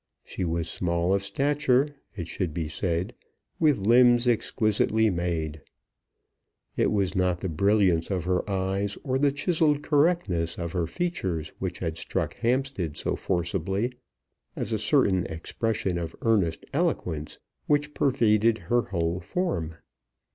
She was small of stature, it should be said, with limbs exquisitely made. It was not the brilliance of her eyes or the chiselled correctness of her features which had struck Hampstead so forcibly as a certain expression of earnest eloquence which pervaded her whole form.